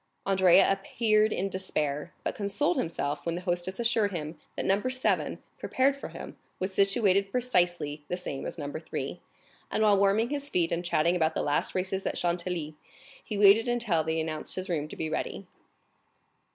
Andrea appeared in despair, but consoled himself when the hostess assured him that No. 7, prepared for him, was situated precisely the same as No. 3, and while warming his feet and chatting about the last races at Chantilly, he waited until they announced his room to be ready.